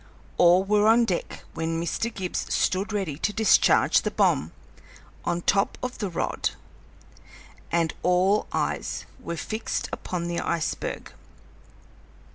All were on deck when Mr. Gibbs stood ready to discharge the bomb on top of the rod, and all eyes were fixed upon the iceberg.